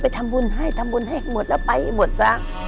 ทำบุญให้ทำบุญให้หมดแล้วไปให้หมดซะ